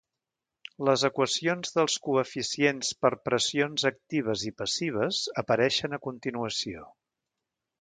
Les equacions dels coeficients per pressions actives i passives apareixen a continuació.